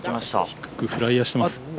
低くフライヤーしてます。